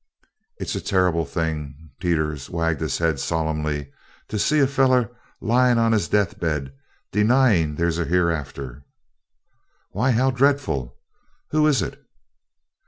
"It's a turrible thing," Teeters wagged his head solemnly, "to see a feller layin' on his death bed denyin' they's a Hereafter." "Why, how dreadful! Who is it?"